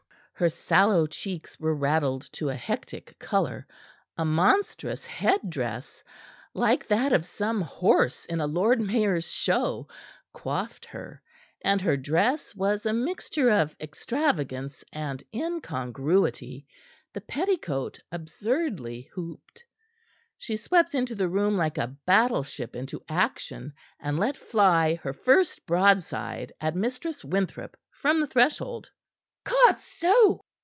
Her sallow cheeks were raddled to a hectic color, a monstrous head dress like that of some horse in a lord mayor's show coiffed her, and her dress was a mixture of extravagance and incongruity, the petticoat absurdly hooped. She swept into the room like a battleship into action, and let fly her first broadside at Mistress Winthrop from the threshold. "Codso!"